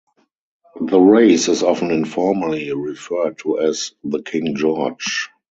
The race is often informally referred to as the "King George".